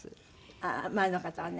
ああ前の方はね。